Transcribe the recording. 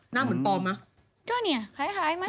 หน้าเหมือนปอมมั้ดูอันนี่ไฮมั้ย